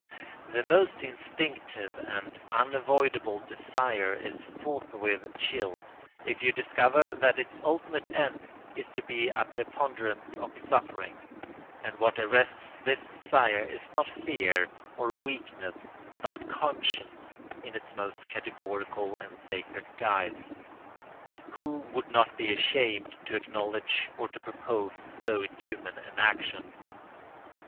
The most instinctive and unavoidable desire is forthwith chilled if you discover that its ultimate end is to be a preponderance of suffering; and what arrests this desire is not fear or weakness but conscience in its most categorical and sacred guise. Who would not be ashamed to acknowledge or to propose so inhuman an action?